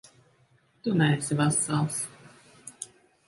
Tu neesi vesels.